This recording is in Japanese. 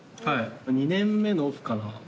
２年目のオフかな。